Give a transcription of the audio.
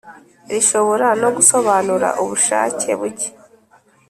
Rishobora no gusobanura ubushake buke.